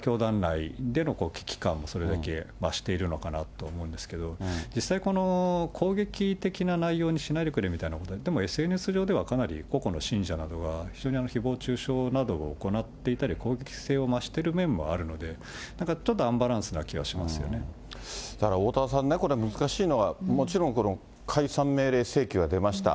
そのときは二万何千通だったので、そのときに比べると増えているってことからすると、教団内での危機感もそれだけ増しているのかなと思うんですけど、実際、この攻撃的な内容にしないでくれみたいなこと、でもＳＮＳ上ではかなり個々の信者などが非常にひぼう中傷などを行っていたり、攻撃性を増してる面もあるので、ちょっとアンバランスな気はしますだからおおたわさんね、これ、難しいのは、もちろん、この解散命令請求が出ました。